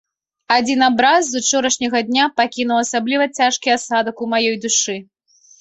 Адзін абраз з учарашняга дня пакінуў асабліва цяжкі асадак у маёй душы.